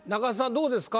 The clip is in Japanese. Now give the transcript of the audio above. どうですか？